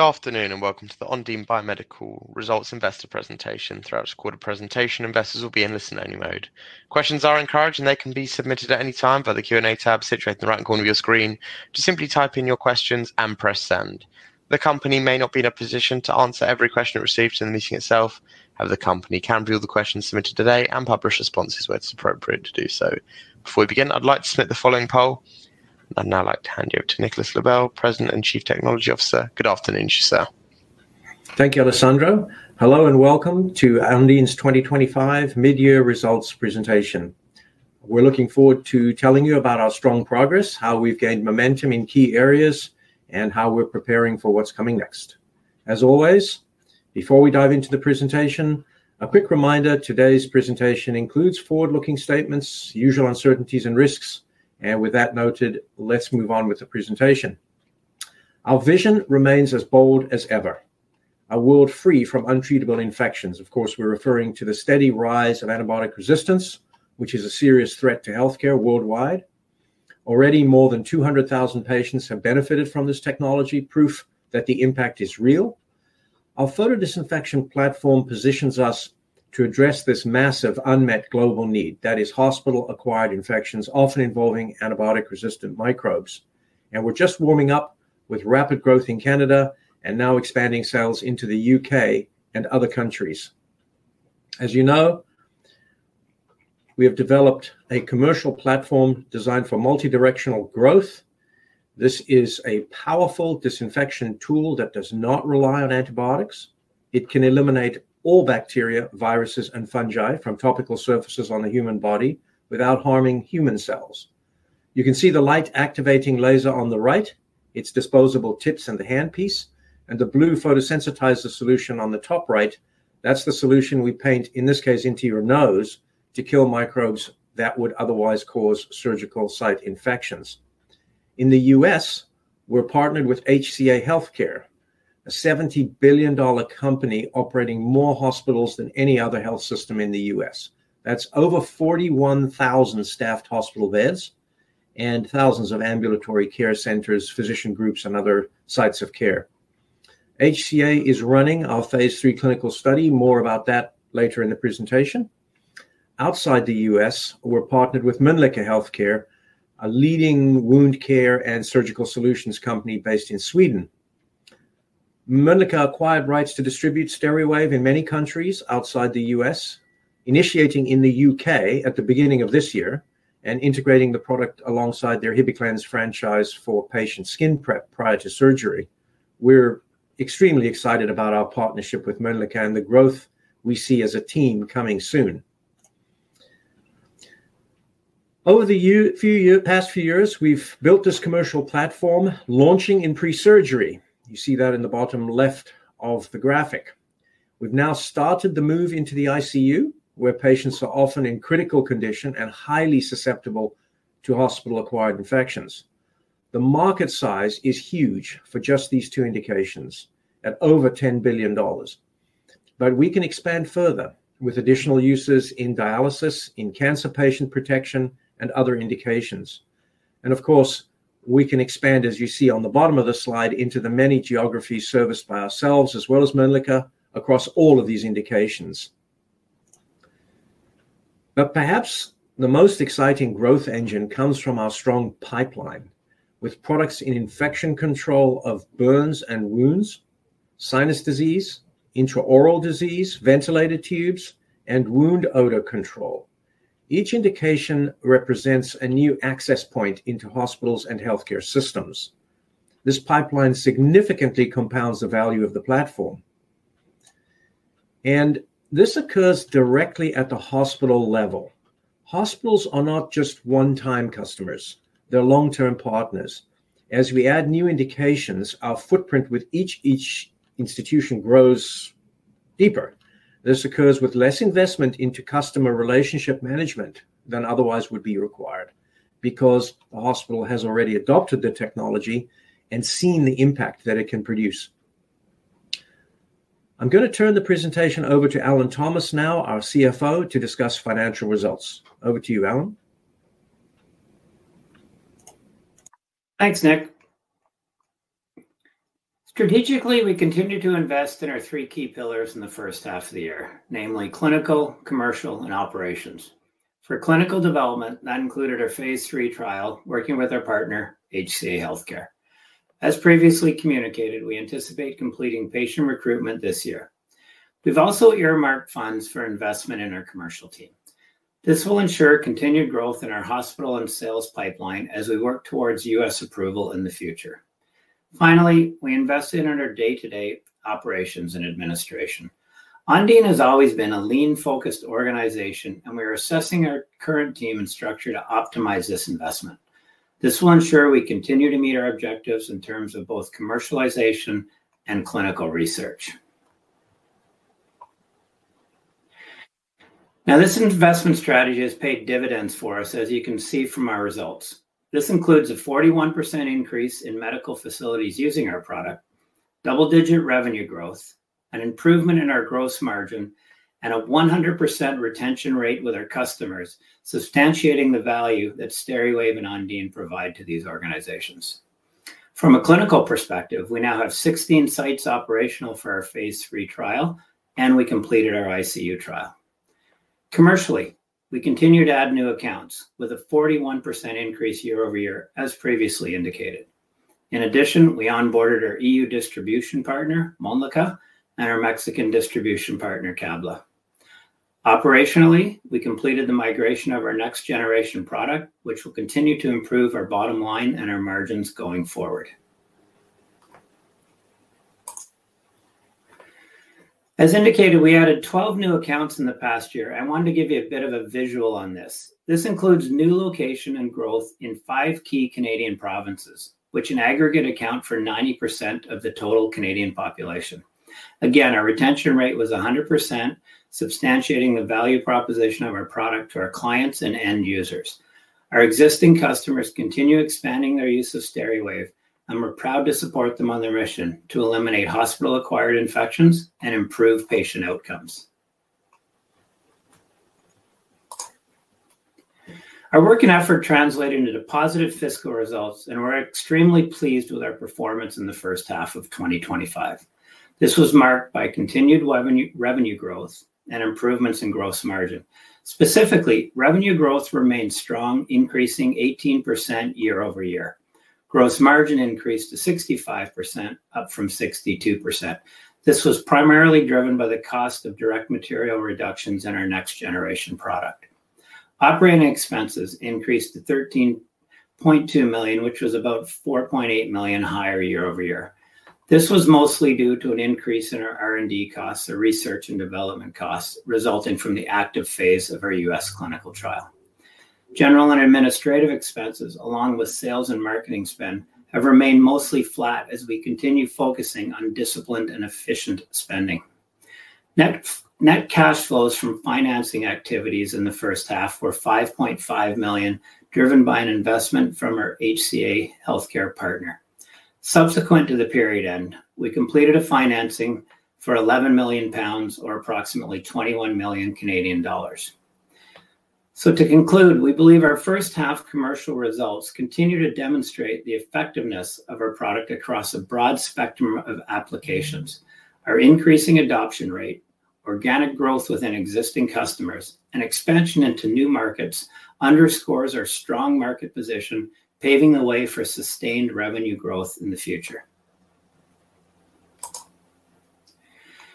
Good afternoon and welcome to the Ondine Biomedical Results Investor Presentation. Throughout the quarter presentation, investors will be in listen-only mode. Questions are encouraged and they can be submitted at any time via the Q&A tab situated in the right corner of your screen. Just simply type in your questions and press send. The company may not be in a position to answer every question it receives in the meeting itself, however, the company can review the questions submitted today and publish responses where it's appropriate to do so. Before we begin, I'd like to submit the following poll. I'd now like to hand you over to Dr. Nicolas Loebel, President and Chief Technology Officer. Good afternoon, sir. Thank you, Alessandro. Hello and welcome to Ondine Biomedical's 2025 mid-year results presentation. We're looking forward to telling you about our strong progress, how we've gained momentum in key areas, and how we're preparing for what's coming next. As always, before we dive into the presentation, a quick reminder, today's presentation includes forward-looking statements, usual uncertainties, and risks. With that noted, let's move on with the presentation. Our vision remains as bold as ever. A world free from untreatable infections. Of course, we're referring to the steady rise of antibiotic resistance, which is a serious threat to healthcare worldwide. Already more than 200,000 patients have benefited from this technology, proof that the impact is real. Our photo disinfection platform positions us to address this massive unmet global need. That is hospital-acquired infections, often involving antibiotic-resistant microbes. We're just warming up with rapid growth in Canada and now expanding sales into the UK and other countries. As you know, we have developed a commercial platform designed for multidirectional growth. This is a powerful disinfection tool that does not rely on antibiotics. It can eliminate all bacteria, viruses, and fungi from topical surfaces on the human body without harming human cells. You can see the light-activating laser on the right, its disposable tips and the handpiece, and the blue photosensitizer solution on the top right. That's the solution we paint, in this case, into your nose to kill microbes that would otherwise cause surgical site infections. In the U.S., we're partnered with HCA Healthcare, a $70 billion company operating more hospitals than any other health system in the U.S. That's over 41,000 staffed hospital beds and thousands of ambulatory care centers, physician groups, and other sites of care. HCA is running our phase three clinical study. More about that later in the presentation. Outside the U.S., we're partnered with Mölnlycke Health Care, a leading wound care and surgical solutions company based in Sweden. Mölnlycke acquired rights to distribute SteriWave in many countries outside the U.S., initiating in the UK at the beginning of this year and integrating the product alongside their Hibiclens franchise for patient skin prep prior to surgery. We're extremely excited about our partnership with Mölnlycke and the growth we see as a team coming soon. Over the past few years, we've built this commercial platform, launching in pre-surgery. You see that in the bottom left of the graphic. We've now started the move into the ICU, where patients are often in critical condition and highly susceptible to hospital-acquired infections. The market size is huge for just these two indications at over $10 billion. We can expand further with additional uses in dialysis, in cancer patient protection, and other indications. Of course, we can expand, as you see on the bottom of the slide, into the many geographies serviced by ourselves, as well as Mölnlycke Health Care, across all of these indications. Perhaps the most exciting growth engine comes from our strong pipeline with products in infection control of burns and wounds, sinus disease, intraoral disease, ventilated tubes, and wound odor control. Each indication represents a new access point into hospitals and healthcare systems. This pipeline significantly compounds the value of the platform. This occurs directly at the hospital level. Hospitals are not just one-time customers. They're long-term partners. As we add new indications, our footprint with each institution grows deeper. This occurs with less investment into customer relationship management than otherwise would be required because a hospital has already adopted the technology and seen the impact that it can produce. I'm going to turn the presentation over to Alan Thomas now, our CFO, to discuss financial results. Over to you, Alan. Thanks, Nick. Strategically, we continue to invest in our three key pillars in the first half of the year, namely clinical, commercial, and operations. For clinical development, that included our phase three trial, working with our partner, HCA Healthcare. As previously communicated, we anticipate completing patient recruitment this year. We've also earmarked funds for investment in our commercial team. This will ensure continued growth in our hospital and sales pipeline as we work towards U.S. approval in the future. Finally, we invest in our day-to-day operations and administration. Ondine has always been a lean-focused organization, and we are assessing our current team and structure to optimize this investment. This will ensure we continue to meet our objectives in terms of both commercialization and clinical research. Now, this investment strategy has paid dividends for us, as you can see from our results. This includes a 41% increase in medical facilities using our product, double-digit revenue growth, an improvement in our gross margin, and a 100% retention rate with our customers, substantiating the value that SteriWave and Ondine provide to these organizations. From a clinical perspective, we now have 16 sites operational for our phase three trial, and we completed our ICU trial. Commercially, we continue to add new accounts with a 41% increase year over year, as previously indicated. In addition, we onboarded our EU distribution partner, Mölnlycke Health Care, and our Mexican distribution partner, KABLA. Operationally, we completed the migration of our next-generation product, which will continue to improve our bottom line and our margins going forward. As indicated, we added 12 new accounts in the past year, and I wanted to give you a bit of a visual on this. This includes new location and growth in five key Canadian provinces, which in aggregate account for 90% of the total Canadian population. Again, our retention rate was 100%, substantiating the value proposition of our product to our clients and end users. Our existing customers continue expanding their use of SteriWave, and we're proud to support them on their mission to eliminate hospital-acquired infections and improve patient outcomes. Our work and effort translated into positive fiscal results, and we're extremely pleased with our performance in the first half of 2025. This was marked by continued revenue growth and improvements in gross margin. Specifically, revenue growth remains strong, increasing 18% year over year. Gross margin increased to 65%, up from 62%. This was primarily driven by the cost of direct material reductions in our next-generation product. Operating expenses increased to $13.2 million, which was about $4.8 million higher year over year. This was mostly due to an increase in our R&D costs, the research and development costs resulting from the active phase of our U.S. clinical trial. General and administrative expenses, along with sales and marketing spend, have remained mostly flat as we continue focusing on disciplined and efficient spending. Net cash flows from financing activities in the first half were $5.5 million, driven by an investment from our HCA Healthcare partner. Subsequent to the period end, we completed a financing for £11 million, or approximately $21 million Canadian dollars. To conclude, we believe our first half commercial results continue to demonstrate the effectiveness of our product across a broad spectrum of applications. Our increasing adoption rate, organic growth within existing customers, and expansion into new markets underscore our strong market position, paving the way for sustained revenue growth in the future.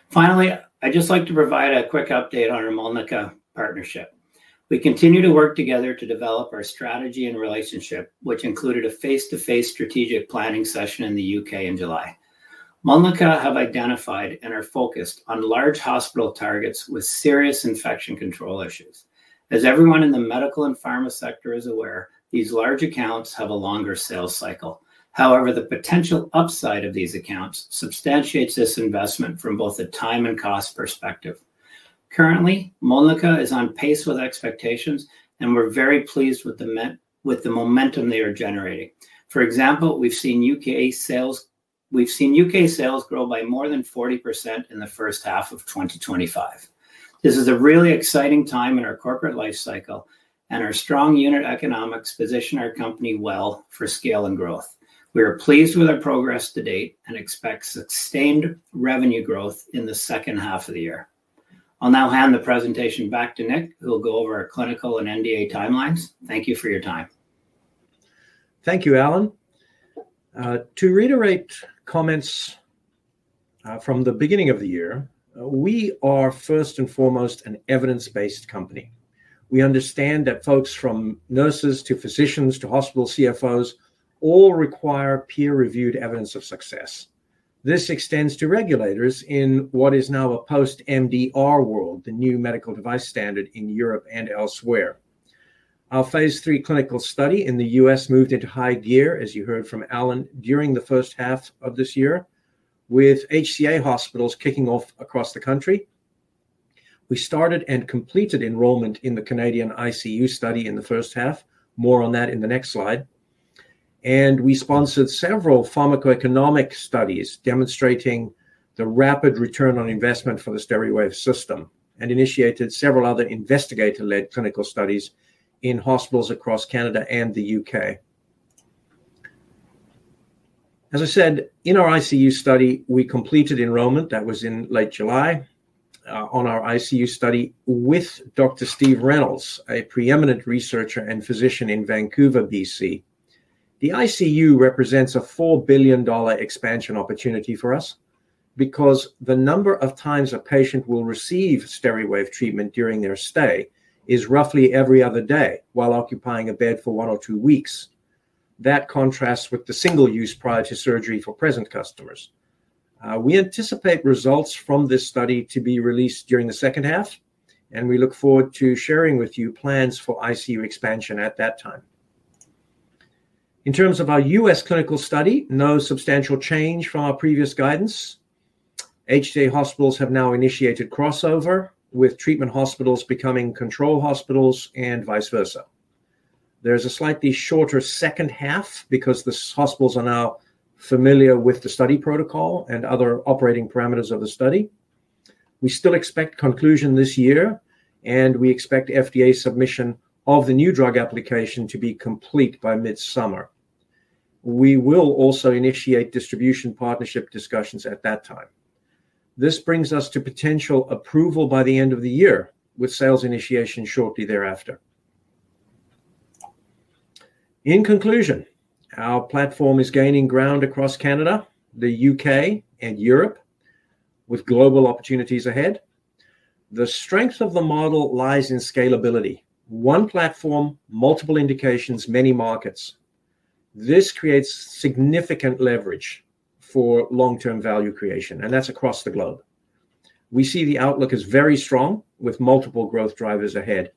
Finally, I'd just like to provide a quick update on our Mölnlycke Health Care partnership. We continue to work together to develop our strategy and relationship, which included a face-to-face strategic planning session in the U.K. in July. Mölnlycke Health Care have identified and are focused on large hospital targets with serious infection control issues. As everyone in the medical and pharma sector is aware, these large accounts have a longer sales cycle. However, the potential upside of these accounts substantiates this investment from both a time and cost perspective. Currently, Mölnlycke Health Care is on pace with expectations, and we're very pleased with the momentum they are generating. For example, we've seen U.K. sales grow by more than 40% in the first half of 2025. This is a really exciting time in our corporate lifecycle, and our strong unit economics position our company well for scale and growth. We are pleased with our progress to date and expect sustained revenue growth in the second half of the year. I'll now hand the presentation back to Nick, who will go over our clinical and NDA timelines. Thank you for your time. Thank you, Alan. To reiterate comments from the beginning of the year, we are first and foremost an evidence-based company. We understand that folks from nurses to physicians to hospital CFOs all require peer-reviewed evidence of success. This extends to regulators in what is now a post-MDR world, the new medical device standard in Europe and elsewhere. Our phase three clinical study in the U.S. moved into high gear, as you heard from Alan, during the first half of this year, with HCA Healthcare hospitals kicking off across the country. We started and completed enrollment in the Canadian ICU study in the first half. More on that in the next slide. We sponsored several pharmacoeconomic studies demonstrating the rapid return on investment for the SteriWave system and initiated several other investigator-led clinical studies in hospitals across Canada and the UK. As I said, in our ICU study, we completed enrollment that was in late July, on our ICU study with Dr. Steve Reynolds, a preeminent researcher and physician in Vancouver, BC. The ICU represents a $4 billion expansion opportunity for us because the number of times a patient will receive SteriWave treatment during their stay is roughly every other day while occupying a bed for one or two weeks. That contrasts with the single use prior to surgery for present customers. We anticipate results from this study to be released during the second half, and we look forward to sharing with you plans for ICU expansion at that time. In terms of our U.S. clinical study, no substantial change from our previous guidance. HCA Healthcare hospitals have now initiated crossover with treatment hospitals becoming control hospitals and vice versa. There is a slightly shorter second half because the hospitals are now familiar with the study protocol and other operating parameters of the study. We still expect conclusion this year, and we expect FDA submission of the new drug application to be complete by mid-summer. We will also initiate distribution partnership discussions at that time. This brings us to potential approval by the end of the year with sales initiation shortly thereafter. In conclusion, our platform is gaining ground across Canada, the UK, and Europe, with global opportunities ahead. The strength of the model lies in scalability. One platform, multiple indications, many markets. This creates significant leverage for long-term value creation, and that's across the globe. We see the outlook as very strong with multiple growth drivers ahead.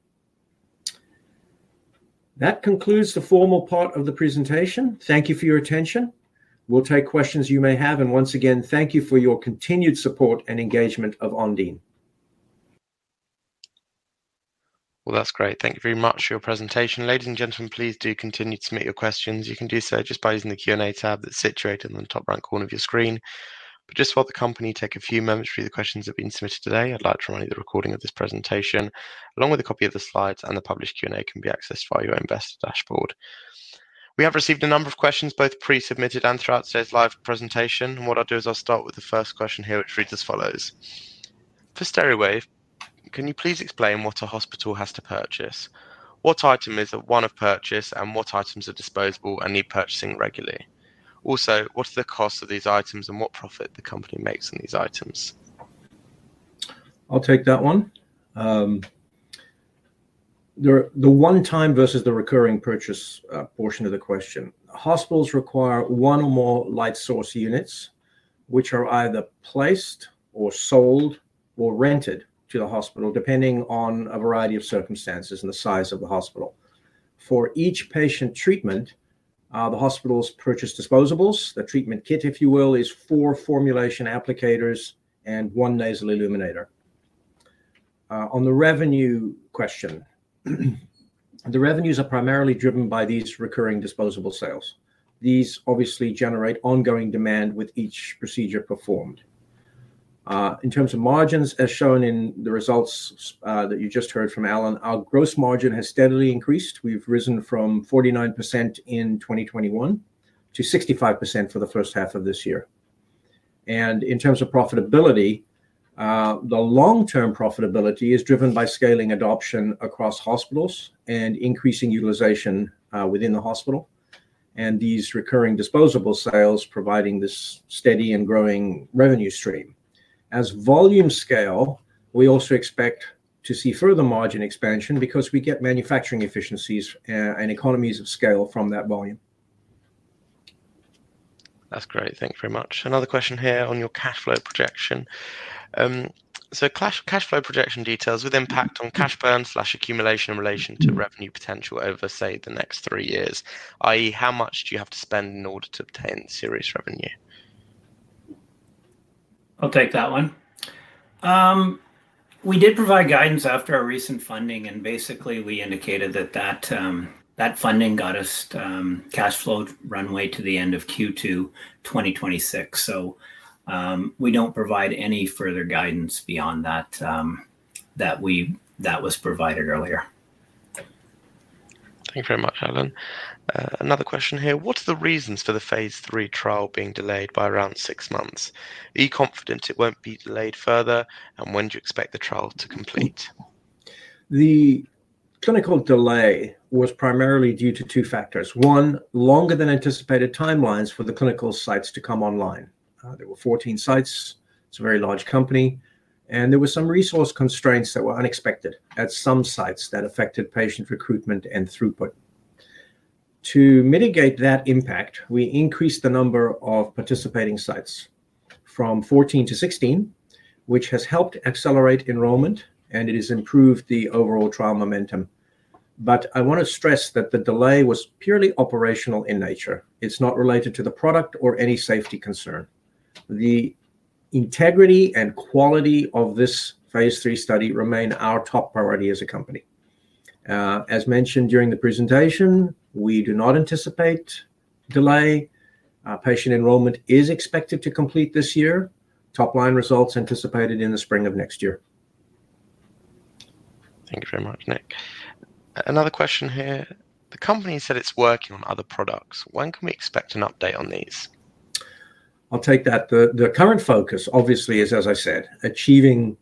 That concludes the formal part of the presentation. Thank you for your attention. We'll take questions you may have, and once again, thank you for your continued support and engagement of Ondine Biomedical. Thank you very much for your presentation. Ladies and gentlemen, please do continue to submit your questions. You can do so just by using the Q&A tab that's situated in the top right corner of your screen. While the company takes a few moments to read the questions that have been submitted today, I'd like to remind you that the recording of this presentation, along with a copy of the slides and the published Q&A, can be accessed via your investor dashboard. We have received a number of questions, both pre-submitted and throughout today's live presentation. What I'll do is I'll start with the first question here, which reads as follows. For SteriWave, can you please explain what a hospital has to purchase? What item is a one-off purchase, and what items are disposable and need purchasing regularly? Also, what are the costs of these items, and what profit the company makes on these items? I'll take that one. The one-time versus the recurring purchase portion of the question. Hospitals require one or more light source units, which are either placed or sold or rented to the hospital, depending on a variety of circumstances and the size of the hospital. For each patient treatment, the hospitals purchase disposables. The treatment kit, if you will, is four formulation applicators and one nasal illuminator. On the revenue question, the revenues are primarily driven by these recurring disposable sales. These obviously generate ongoing demand with each procedure performed. In terms of margins, as shown in the results that you just heard from Alan, our gross margin has steadily increased. We've risen from 49% in 2021 to 65% for the first half of this year. In terms of profitability, the long-term profitability is driven by scaling adoption across hospitals and increasing utilization within the hospital, and these recurring disposable sales providing this steady and growing revenue stream. As volume scale, we also expect to see further margin expansion because we get manufacturing efficiencies and economies of scale from that volume. That's great. Thank you very much. Another question here on your cash flow projection. Cash flow projection details with impact on cash burns/accumulation in relation to revenue potential over, say, the next three years, i.e., how much do you have to spend in order to obtain serious revenue? I'll take that one. We did provide guidance after our recent funding, and basically, we indicated that that funding got us cash flow runway to the end of Q2 2026. We don't provide any further guidance beyond that that was provided earlier. Thank you very much, Alan. Another question here. What are the reasons for the phase three trial being delayed by around six months? Are you confident it won't be delayed further, and when do you expect the trial to complete? The clinical delay was primarily due to two factors. One, longer than anticipated timelines for the clinical sites to come online. There were 14 sites. It's a very large company, and there were some resource constraints that were unexpected at some sites that affected patient recruitment and throughput. To mitigate that impact, we increased the number of participating sites from 14 to 16, which has helped accelerate enrollment, and it has improved the overall trial momentum. I want to stress that the delay was purely operational in nature. It's not related to the product or any safety concern. The integrity and quality of this phase three study remain our top priority as a company. As mentioned during the presentation, we do not anticipate delay. Patient enrollment is expected to complete this year. Top-line results anticipated in the spring of next year. Thank you very much, Nick. Another question here. The company said it's working on other products. When can we expect an update on these? I'll take that. The current focus, obviously, is, as I said, achieving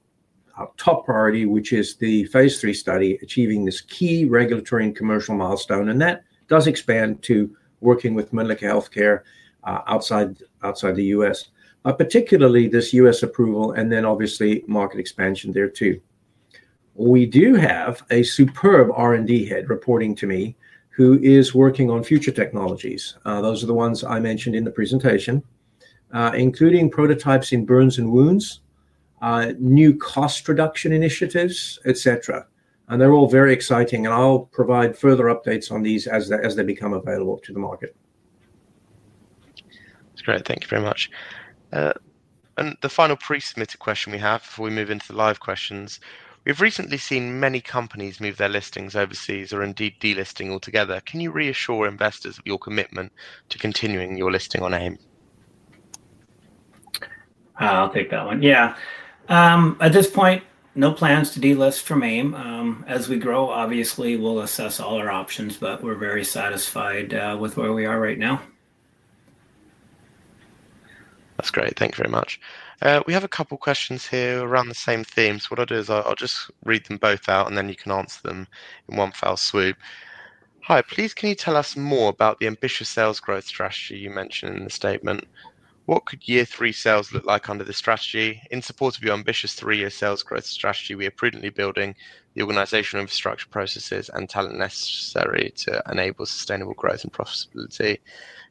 our top priority, which is the phase three study, achieving this key regulatory and commercial milestone, and that does expand to working with Mölnlycke Health Care outside the U.S., particularly this U.S. approval and then obviously market expansion there too. We do have a superb R&D head reporting to me who is working on future technologies. Those are the ones I mentioned in the presentation, including prototypes in burns and wounds, new cost reduction initiatives, et cetera. They're all very exciting, and I'll provide further updates on these as they become available to the market. That's great. Thank you very much. The final pre-submitted question we have before we move into the live questions: We have recently seen many companies move their listings overseas or indeed delisting altogether. Can you reassure investors of your commitment to continuing your listing on AIM? I'll take that one. At this point, no plans to delist from AIM. As we grow, obviously, we'll assess all our options, but we're very satisfied with where we are right now. That's great. Thanks very much. We have a couple of questions here around the same theme. What I'll do is just read them both out, and then you can answer them in one fell swoop. Hi. Please, can you tell us more about the ambitious sales growth strategy you mentioned in the statement? What could year three sales look like under this strategy? In support of your ambitious three-year sales growth strategy, we are prudently building the organizational infrastructure, processes, and talent necessary to enable sustainable growth and profitability.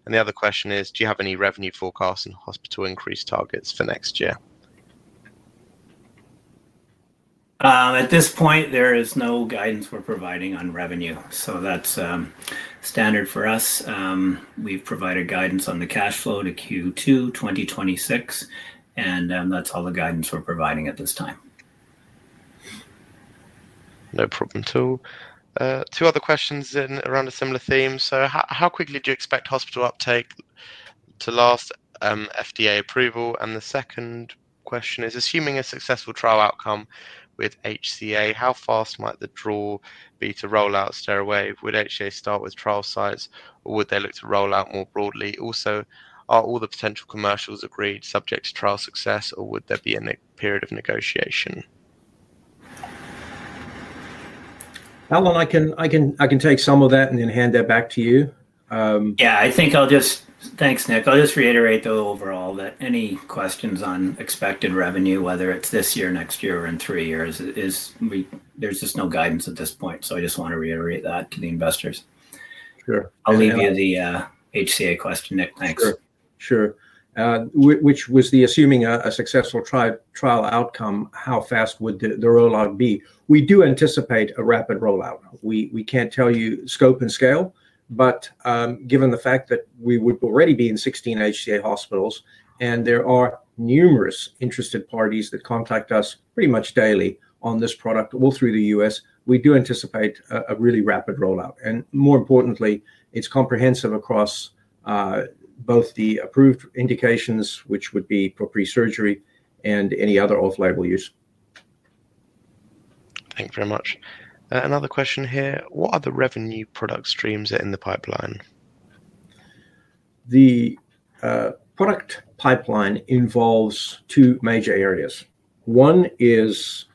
The other question is, do you have any revenue forecasts and hospital increase targets for next year? At this point, there is no guidance we're providing on revenue. That's standard for us. We've provided guidance on the cash flow to Q2 2026, and that's all the guidance we're providing at this time. No problem. Two other questions in around a similar theme. How quickly do you expect hospital uptake to last FDA approval? The second question is, assuming a successful trial outcome with HCA Healthcare, how fast might the draw be to roll out SteriWave? Would HCA Healthcare start with trial sites, or would they look to roll out more broadly? Also, are all the potential commercials agreed subject to trial success, or would there be a period of negotiation? Alan, I can take some of that and then hand that back to you. I think I'll just, thanks, Nick. I'll just reiterate though overall that any questions on expected revenue, whether it's this year, next year, or in three years, there's just no guidance at this point. I just want to reiterate that to the investors. Sure. I'll leave you the HCA Healthcare question, Nick. Thanks. Sure. Assuming a successful trial outcome, how fast would the rollout be? We do anticipate a rapid rollout. We can't tell you scope and scale, but given the fact that we would already be in 16 HCA Healthcare hospitals and there are numerous interested parties that contact us pretty much daily on this product, all through the U.S., we do anticipate a really rapid rollout. More importantly, it's comprehensive across both the approved indications, which would be for pre-surgery, and any other off-label use. Thank you very much. Another question here. What are the revenue product streams that are in the pipeline? The product pipeline involves two major areas. One is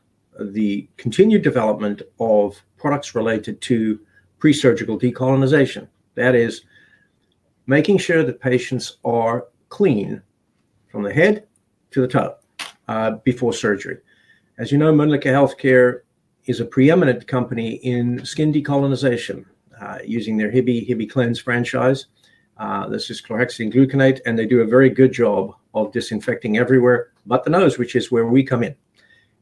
the continued development of products related to pre-surgical decolonization. That is making sure that patients are clean from the head to the toe before surgery. As you know, Mölnlycke Health Care is a preeminent company in skin decolonization using their Hibi, Hibiclens franchise. This is chlorhexidine gluconate, and they do a very good job of disinfecting everywhere but the nose, which is where we come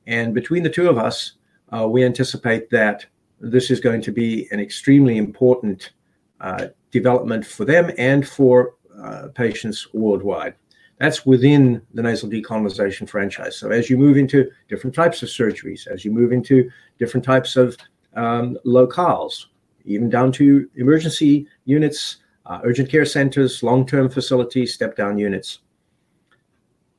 in. Between the two of us, we anticipate that this is going to be an extremely important development for them and for patients worldwide. That's within the nasal decolonization franchise. As you move into different types of surgeries, as you move into different types of locales, even down to emergency units, urgent care centers, long-term facilities, step-down units.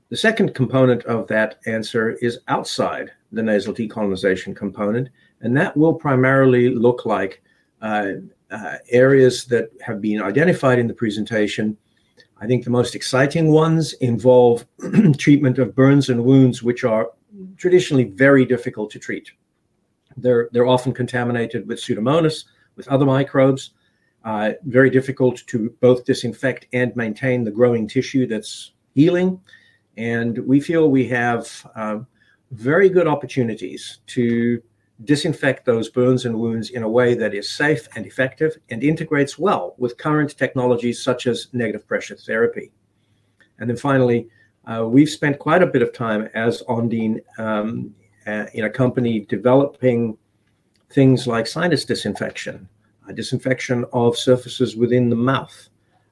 The second component of that answer is outside the nasal decolonization component, and that will primarily look like areas that have been identified in the presentation. I think the most exciting ones involve treatment of burns and wounds, which are traditionally very difficult to treat. They're often contaminated with pseudomonas, with other microbes, very difficult to both disinfect and maintain the growing tissue that's healing. We feel we have very good opportunities to disinfect those burns and wounds in a way that is safe and effective and integrates well with current technologies such as negative pressure therapy. Finally, we've spent quite a bit of time as Ondine in a company developing things like sinus disinfection, disinfection of surfaces within the mouth,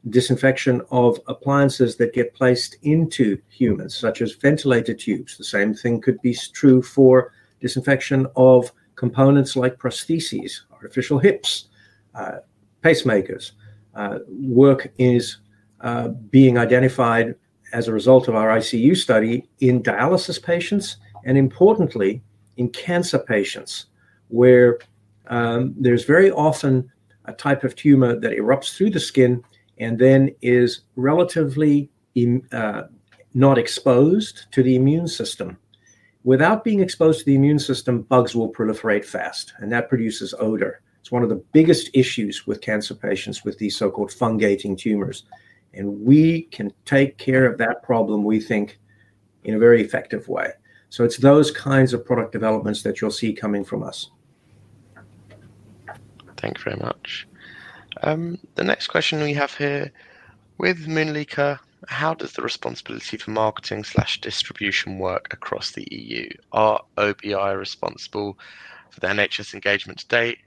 disinfection of appliances that get placed into humans, such as ventilated tubes. The same thing could be true for disinfection of components like prostheses, artificial hips, pacemakers. Work is being identified as a result of our ICU study in dialysis patients and importantly in cancer patients where there's very often a type of tumor that erupts through the skin and then is relatively not exposed to the immune system. Without being exposed to the immune system, bugs will proliferate fast, and that produces odor. It's one of the biggest issues with cancer patients with these so-called fungating tumors. We can take care of that problem, we think, in a very effective way. It's those kinds of product developments that you'll see coming from us. Thank you very much. The next question we have here. With Mölnlycke Health Care, how does the responsibility for marketing/distribution work across the EU? Are OBI responsible for their NHS engagement to date?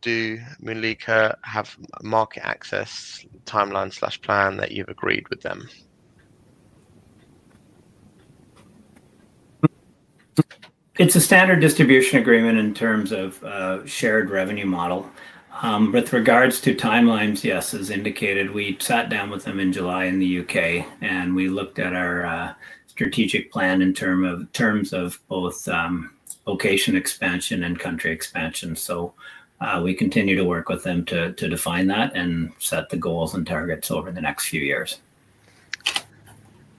Do Mölnlycke have market access timeline/plan that you've agreed with them? It's a standard distribution agreement in terms of a shared revenue model. With regards to timelines, yes, as indicated, we sat down with them in July in the UK, and we looked at our strategic plan in terms of both location expansion and country expansion. We continue to work with them to define that and set the goals and targets over the next few years.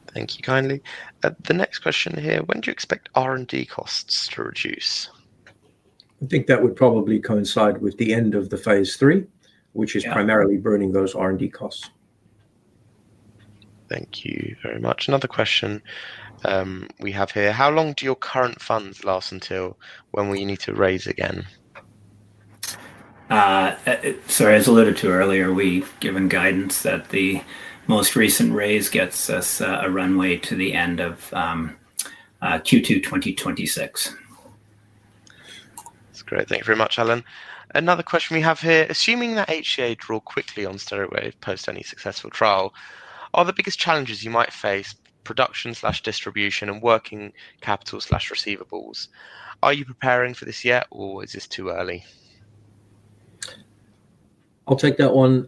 Thank you kindly. The next question here. When do you expect R&D costs to reduce? I think that would probably coincide with the end of the phase three, which is primarily burning those R&D costs. Thank you very much. Another question we have here: How long do your current funds last, until when will you need to raise again? As alluded to earlier, we've given guidance that the most recent raise gets us a runway to the end of Q2 2026. That's great. Thank you very much, Alan. Another question we have here. Assuming that HCA Healthcare draw quickly on SteriWave post any successful trial, are the biggest challenges you might face production/distribution and working capital/receivables? Are you preparing for this yet, or is this too early? I'll take that one.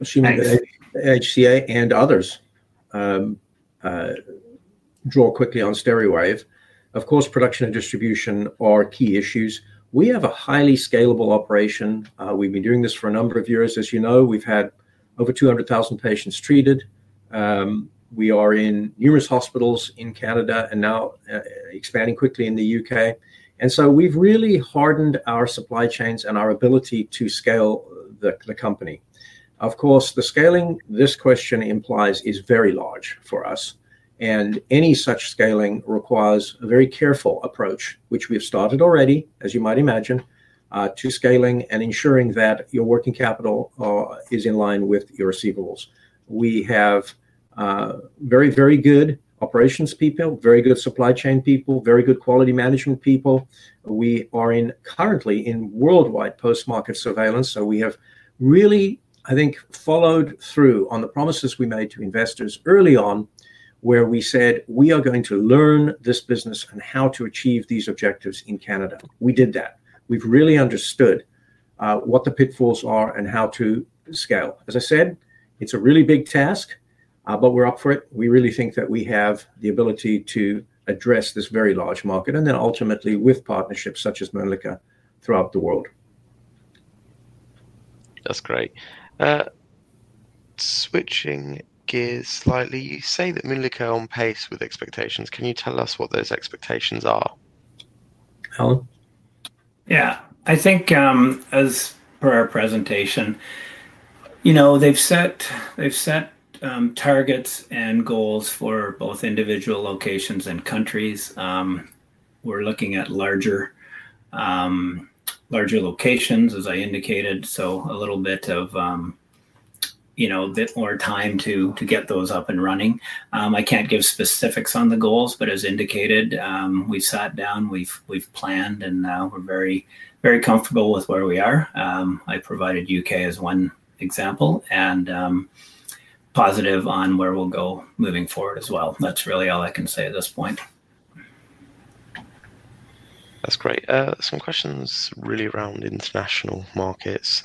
Assuming that HCA Healthcare and others draw quickly on SteriWave, of course, production and distribution are key issues. We have a highly scalable operation. We've been doing this for a number of years. As you know, we've had over 200,000 patients treated. We are in numerous hospitals in Canada and now expanding quickly in the UK. We've really hardened our supply chains and our ability to scale the company. The scaling this question implies is very large for us. Any such scaling requires a very careful approach, which we've started already, as you might imagine, to scaling and ensuring that your working capital is in line with your receivables. We have very, very good operations people, very good supply chain people, very good quality management people. We are currently in worldwide post-market surveillance. We have really, I think, followed through on the promises we made to investors early on where we said we are going to learn this business and how to achieve these objectives in Canada. We did that. We've really understood what the pitfalls are and how to scale. As I said, it's a really big task, but we're up for it. We really think that we have the ability to address this very large market and then ultimately with partnerships such as Mölnlycke Health Care throughout the world. That's great. Switching gears slightly, you say that Mölnlycke Health Care are on pace with expectations. Can you tell us what those expectations are? Alan? I think as per our presentation, they've set targets and goals for both individual locations and countries. We're looking at larger locations, as I indicated. It takes a bit more time to get those up and running. I can't give specifics on the goals, but as indicated, we sat down, we've planned, and we're very, very comfortable with where we are. I provided UK as one example and positive on where we'll go moving forward as well. That's really all I can say at this point. That's great. Some questions really around international markets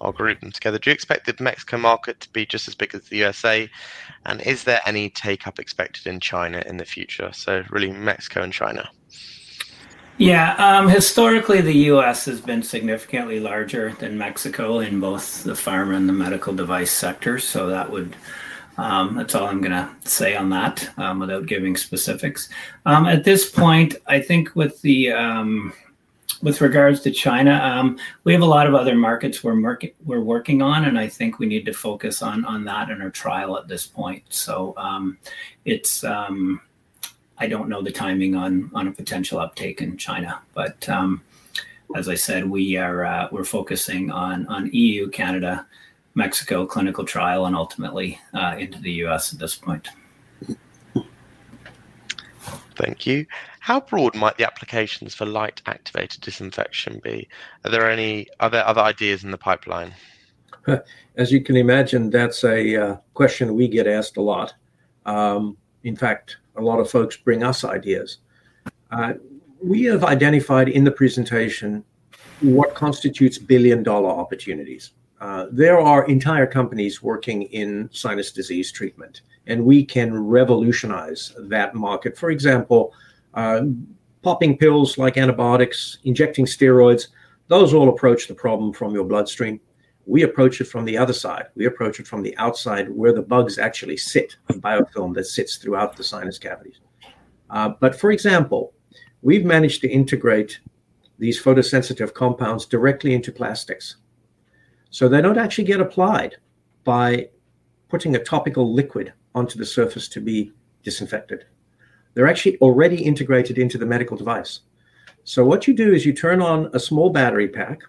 and are grouping together. Do you expect the Mexico market to be just as big as the U.S.? Is there any take-up expected in China in the future? Really Mexico and China. Historically, the U.S. has been significantly larger than Mexico in both the pharma and the medical device sectors. That's all I'm going to say on that without giving specifics. At this point, I think with regards to China, we have a lot of other markets we're working on, and I think we need to focus on that in our trial at this point. I don't know the timing on a potential uptake in China, but as I said, we're focusing on EU, Canada, Mexico clinical trial, and ultimately into the U.S. at this point. Thank you. How broad might the applications for light-activated disinfection be? Are there any other ideas in the pipeline? As you can imagine, that's a question we get asked a lot. In fact, a lot of folks bring us ideas. We have identified in the presentation what constitutes billion-dollar opportunities. There are entire companies working in sinus disease treatment, and we can revolutionize that market. For example, popping pills like antibiotics, injecting steroids, those all approach the problem from your bloodstream. We approach it from the other side. We approach it from the outside where the bugs actually sit, a biofilm that sits throughout the sinus cavities. For example, we've managed to integrate these photosensitive compounds directly into plastics. They don't actually get applied by putting a topical liquid onto the surface to be disinfected. They're actually already integrated into the medical device. What you do is you turn on a small battery pack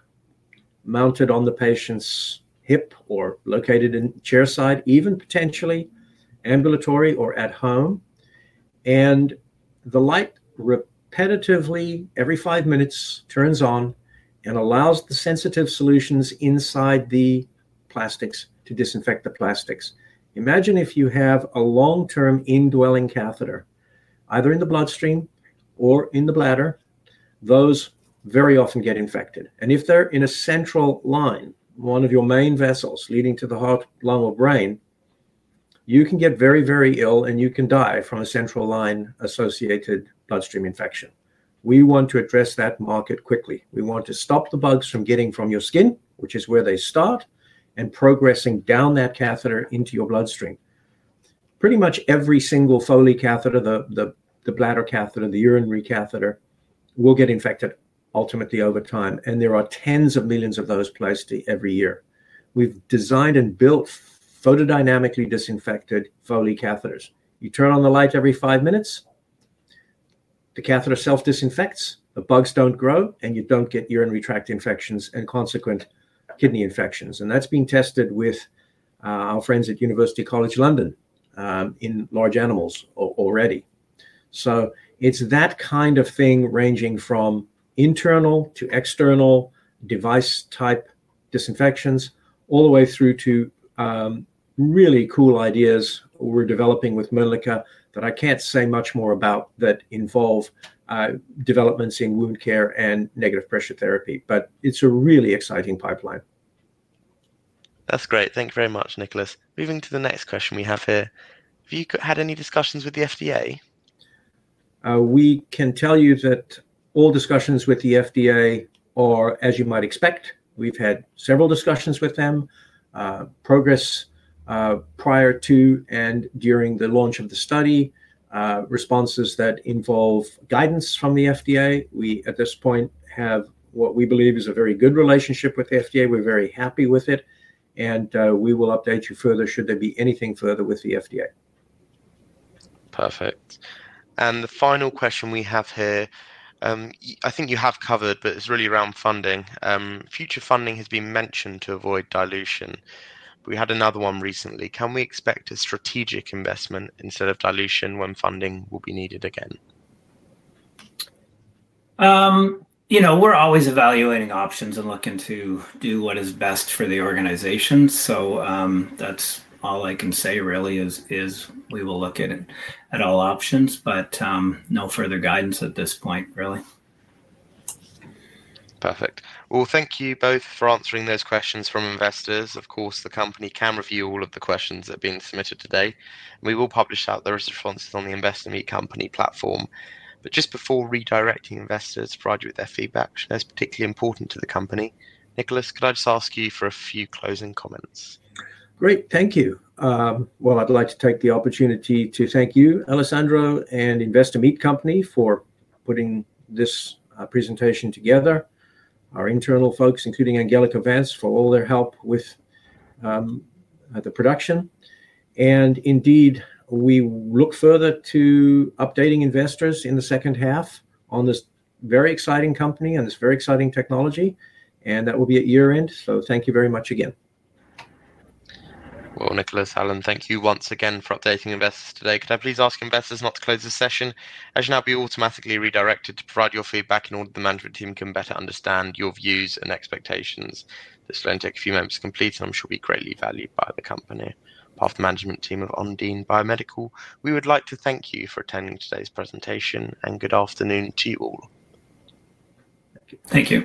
mounted on the patient's hip or located in chair side, even potentially ambulatory or at home, and the light repetitively every five minutes turns on and allows the sensitive solutions inside the plastics to disinfect the plastics. Imagine if you have a long-term indwelling catheter either in the bloodstream or in the bladder. Those very often get infected. If they're in a central line, one of your main vessels leading to the heart, lung, or brain, you can get very, very ill and you can die from a central line associated bloodstream infection. We want to address that market quickly. We want to stop the bugs from getting from your skin, which is where they start, and progressing down that catheter into your bloodstream. Pretty much every single Foley catheter, the bladder catheter, the urinary catheter will get infected ultimately over time, and there are tens of millions of those placed every year. We've designed and built photodynamically disinfected Foley catheters. You turn on the light every five minutes, the catheter self-disinfects, the bugs don't grow, and you don't get urinary tract infections and consequent kidney infections. That's been tested with our friends at University College London in large animals already. It's that kind of thing ranging from internal to external device type disinfections all the way through to really cool ideas we're developing with Mölnlycke Health Care that I can't say much more about that involve developments in wound care and negative pressure therapy. It's a really exciting pipeline. That's great. Thanks very much, Nicolas. Moving to the next question we have here. Have you had any discussions with the FDA? We can tell you that all discussions with the FDA are, as you might expect, we've had several discussions with them. Progress prior to and during the launch of the study, responses that involve guidance from the FDA. At this point, we have what we believe is a very good relationship with the FDA. We're very happy with it, and we will update you further should there be anything further with the FDA. Perfect. The final question we have here, I think you have covered, but it's really around funding. Future funding has been mentioned to avoid dilution. We had another one recently. Can we expect a strategic investment instead of dilution when funding will be needed again? We're always evaluating options and looking to do what is best for the organization. That's all I can say really. We will look at all options, but no further guidance at this point really. Perfect. Thank you both for answering those questions from investors. Of course, the company can review all of the questions that have been submitted today. We will publish those responses on the Investor Meet Company platform. Just before redirecting investors to provide you with their feedback, that's particularly important to the company. Nicolas, could I just ask you for a few closing comments? Great, thank you. I’d like to take the opportunity to thank you, Alessandro, and Investor Meet Company for putting this presentation together, our internal folks, including Angelica Vance, for all their help with the production. Indeed, we look forward to updating investors in the second half on this very exciting company and this very exciting technology. That will be at year-end, so thank you very much again. Nicholas, Alan, thank you once again for updating investors today. Could I please ask investors not to close this session? As you know, you'll be automatically redirected to provide your feedback in order for the management team to better understand your views and expectations. This is going to take a few moments to complete, and I'm sure it will be greatly valued by the company. On behalf of the management team of Ondine Biomedical, we would like to thank you for attending today's presentation, and good afternoon to you all. Thank you.